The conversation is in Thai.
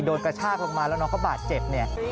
โดนกระชากลงมาแล้วน้องเขาบาดเจ็บ